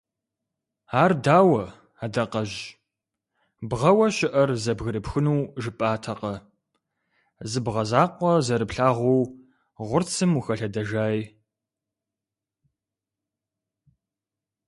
Ар дауэ, Адакъэжь, бгъэуэ щыӀэр зэбгырыпхуну жыпӀатэкъэ, зы бгъэ закъуэ зэрыплъагъуу гъурцым ухэлъэдэжай?